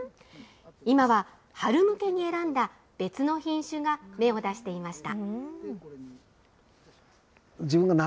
今は、春向けに選んだ別の品種が芽を出していました。